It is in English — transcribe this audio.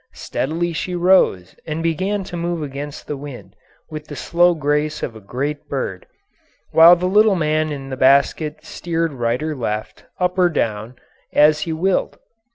Steadily she rose and began to move against the wind with the slow grace of a great bird, while the little man in the basket steered right or left, up or down, as he willed.